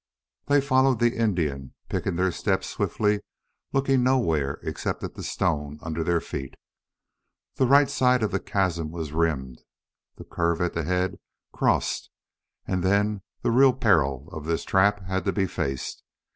They followed the Indian, picking their steps swiftly, looking nowhere except at the stone under their feet. The right side of the chasm was rimmed, the curve at the head crossed, and then the real peril of this trap had to be faced.